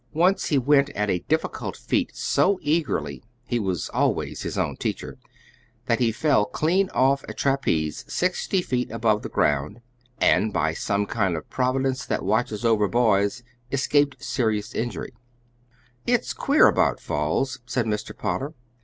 Once he went at a difficult feat so eagerly he was always his own teacher that he fell clean off a trapeze sixty feet above ground, and by some kind providence that watches over boys escaped serious injury. "It's queer about falls," said Mr. Potter.